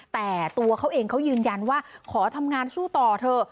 แต่ตัวเขาเองเขายืนยันว่าขอทำงานสู้ต่อเถอะ